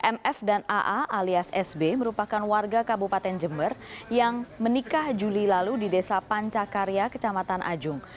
mf dan aa alias sb merupakan warga kabupaten jember yang menikah juli lalu di desa pancakarya kecamatan ajung